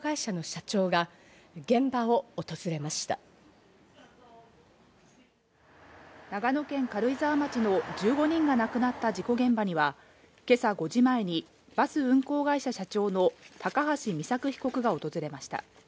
長野県軽井沢町の１５人が亡くなった事故現場には今朝５時前にバス運行会社社長の高橋美作被告が訪れました。